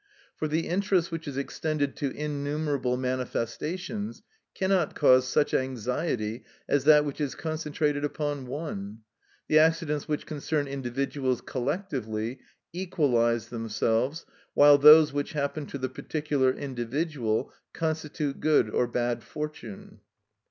For the interest which is extended to innumerable manifestations cannot cause such anxiety as that which is concentrated upon one. The accidents which concern individuals collectively, equalise themselves, while those which happen to the particular individual constitute good or bad fortune.